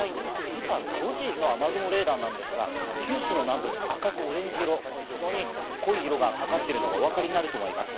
今朝５時の雨雲レーダーなんですが、九州の南部に赤とオレンジ色、非常に濃い色がかかっているのがお分かりになると思います。